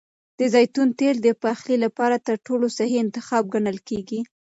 د زیتون تېل د پخلي لپاره تر ټولو صحي انتخاب ګڼل کېږي.